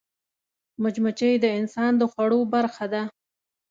مچمچۍ د انسان د خوړو برخه ده